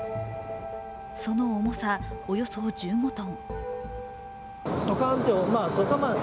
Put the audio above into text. その重さ、およそ１５ｔ。